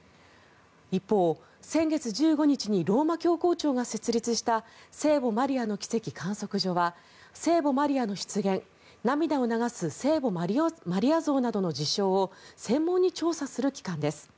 一方、先月１５日にローマ教皇庁が設立した聖母マリアの奇跡観測所は聖母マリアの出現涙を流す聖母マリア像などの事象を専門に調査する機関です。